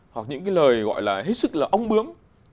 hoặc những lời hết sức là ong bướm